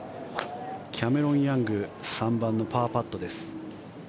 キャメロン・ヤング３番のパーパットです。